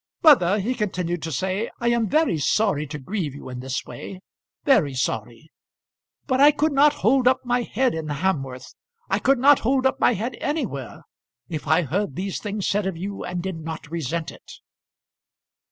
"Mother," he continued to say, "I am very sorry to grieve you in this way; very sorry. But I could not hold up my head in Hamworth, I could not hold up my head anywhere, if I heard these things said of you and did not resent it."